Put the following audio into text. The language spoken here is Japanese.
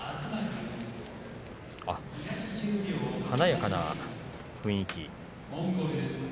華やかな雰囲気。